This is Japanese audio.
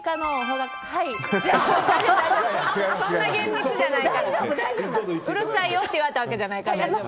うるさいよって言われたわけじゃないから。